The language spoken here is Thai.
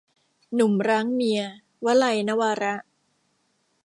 หนุ่มร้างเมีย - วลัย นวาระ